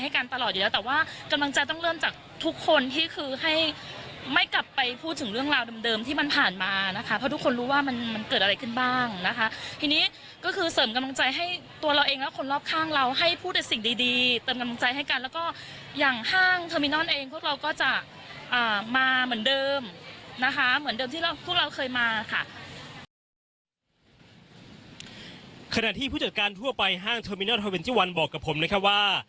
ขณะที่ผู้จัดการทั่วไปห้างเทอร์มิเนอร์๒๑บอกกับผมเลยค่ะว่า